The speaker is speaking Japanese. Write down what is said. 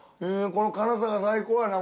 この辛さが最高やな